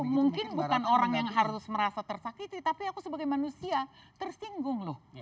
mungkin bukan orang yang harus merasa tersakiti tapi aku sebagai manusia tersinggung loh